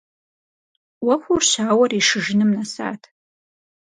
Ӏуэхур щауэр ишыжыным нэсат.